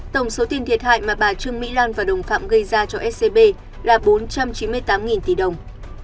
tổng số tiền thiệt hại mà bà trương mỹ lan và đồng phạm gây ra cho scb là bốn trăm chín mươi tám tỷ đồng